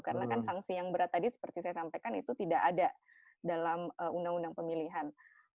karena kan sanksi yang berat tadi seperti saya sampaikan itu tidak ada dalam undang undang pemilihan